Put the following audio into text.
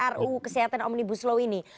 ruu kesehatan omnibus law ini